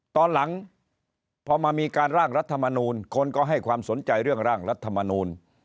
ตอนหลังพอมามีการร่างรัฐมนูลคนก็ให้ความสนใจเรื่องร่างรัฐมนูล